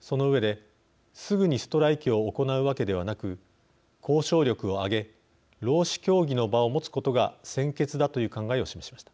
その上ですぐにストライキを行うわけではなく交渉力を上げ労使協議の場を持つことが先決だという考えを示しました。